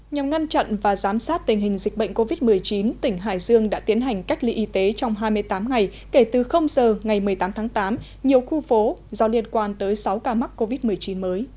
nhằm ngăn chặn và giám sát tình hình dịch bệnh covid một mươi chín tỉnh hải dương đã tiến hành cách ly y tế trong hai mươi tám ngày kể từ giờ ngày một mươi tám tháng tám nhiều khu phố do liên quan tới sáu ca mắc covid một mươi chín mới